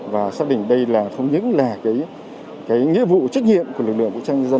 và xác định đây không những là nghĩa vụ trách nhiệm của lực lượng vũ trang nhân dân